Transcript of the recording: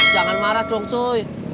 jangan marah dong cuy